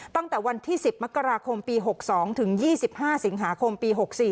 ตั้งแต่วันที่๑๐มกราคมปี๖๒ถึง๒๕สิงหาคมปี๖๔